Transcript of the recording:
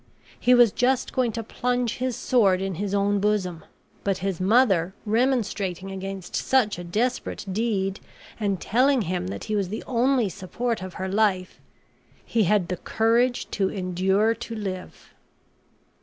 He was just going to plunge his sword in his own bosom; but his mother remonstrating against such a desperate deed, and telling him that he was the only support of her life, he had the courage to endure to live.